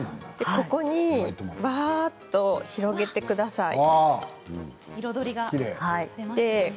ここにうわっと広げてください。